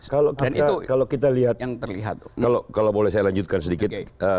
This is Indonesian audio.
kalau kita lihat kalau boleh saya lanjutkan sedikit